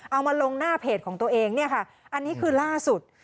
เอามาลงหน้าเพจของตัวเองอันนี้คือล่าสุด